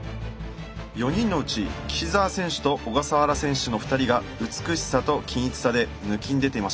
４人のうち岸澤選手と小笠原選手の２人が美しさと均一さでぬきんでていました。